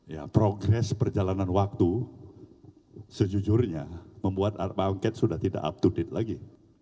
ya progres perjalanan waktu sejujurnya membuat pak angket sudah tidak up to date lagi